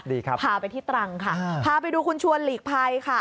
ดีครับพาไปที่ตรังค่ะพาไปดูคุณชวนหลีกภัยค่ะ